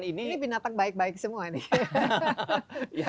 ini binatang baik baik semua nih